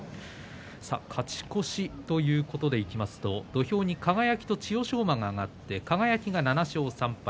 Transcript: さて勝ち越しということで言いますと土俵に輝と千代翔馬輝は７勝３敗